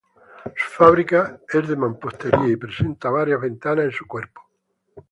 Su fábrica es de mampostería y presenta varias ventanas en su cuerpo.